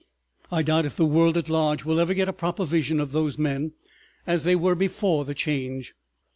I doubt if the world at large will ever get a proper vision of those men as they were before the Change.